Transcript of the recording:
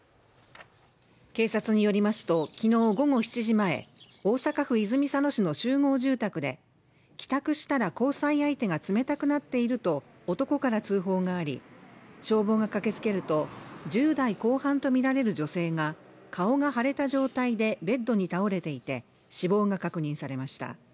警察によりますときのう午後７時前、大阪府泉佐野市の集合住宅で帰宅したら交際相手が冷たくなっていると、男から通報があり、消防が駆けつけると、１０代後半とみられる女性が顔が腫れた状態でベッドに倒れていて、死亡が確認されました。